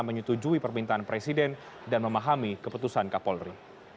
menyetujui permintaan presiden dan memahami keputusan kapolri